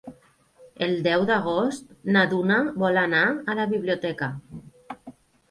El deu d'agost na Duna vol anar a la biblioteca.